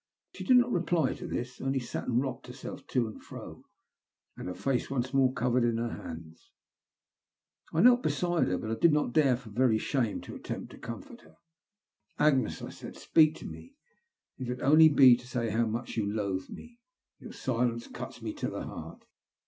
She did not reply to this, only sat and rocked herself to and fro, her face once more covered in her hands. I knelt beside her, but did not dare, for very shame, to attempt to comfort her. " Agnes," I said, speak to me. If it only be to say how much you loathe me. Your silence cuts me to the heart.